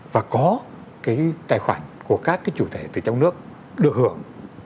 và có cái tài khoản của các cái chủ thể từ trong nước được hưởng